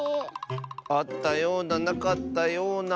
あったようななかったような。